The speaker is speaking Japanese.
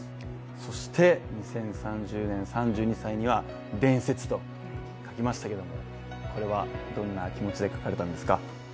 そして、２０３０年３２歳には伝説と書きましたけどもこれはどんな気持ちで書かれたんですか？